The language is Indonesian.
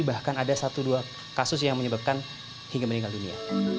bahkan ada satu dua kasus yang menyebabkan hingga meninggal dunia